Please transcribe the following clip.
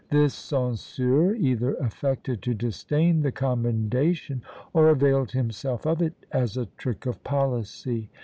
This censeur either affected to disdain the commendation, or availed himself of it as a trick of policy.